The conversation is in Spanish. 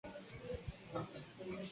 Es una especie gregaria.